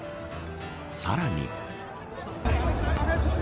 さらに。